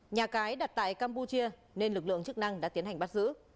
nhà cái đặt tại campuchia nên lực lượng chức năng đã tiến hành bắt giữ